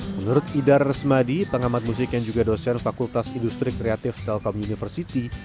menurut idar resmadi pengamat musik yang juga dosen fakultas industri kreatif telkom university